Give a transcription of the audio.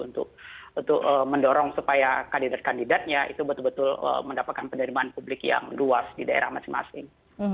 untuk mendorong supaya kandidat kandidatnya itu betul betul mendapatkan penerimaan publik yang luas di daerah masing masing